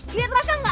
lihat raka gak